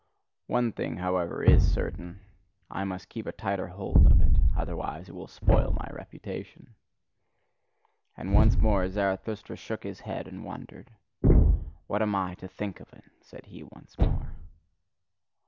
One thing, however, is certain: I must keep a tighter hold of it; otherwise it will spoil my reputation." And once more Zarathustra shook his head and wondered. "What am I to think of it!" said he once more.